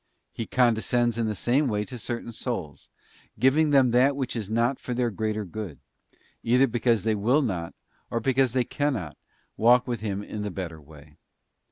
'* He condescends in the same way to certain souls, giving them that which is not for their greater good, either because they will not, or because they cannot, walk with Him in the better way.